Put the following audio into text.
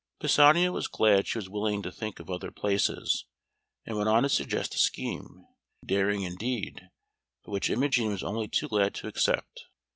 Pisanio was glad she was willing to think of other places, and went on to suggest a scheme, daring indeed, but which Imogen was only too glad to accept.